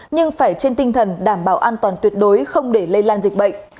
nhưng phải trên tinh thần đảm bảo an toàn tuyệt đối không để lây lan dịch bệnh